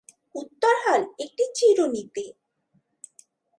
উত্তর হল, একটি চিরুনীতে।